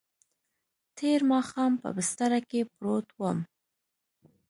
تېر ماښام په بستره کې پروت وم.